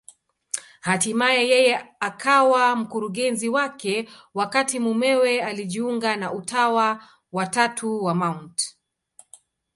Hatimaye yeye akawa mkurugenzi wake, wakati mumewe alijiunga na Utawa wa Tatu wa Mt.